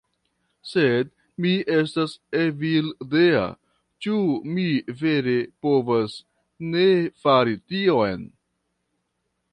Sed mi estas Evildea... ĉu mi vere povas ne fari tion?